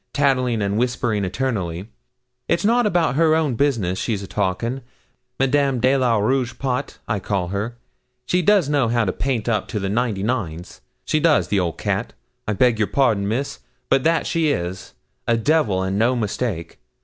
Tattling and whispering eternally. It's not about her own business she's a talking. Madame de la Rougepot, I call her. She does know how to paint up to the ninety nines she does, the old cat. I beg your pardon, Miss, but that she is a devil, and no mistake.